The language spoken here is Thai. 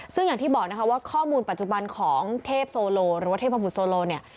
ซึ่งอย่างที่บอกนะคะว่าข้อมูลปัจจุบันของเทพโซโลหรือว่าเทพบุตรโซโลเนี่ย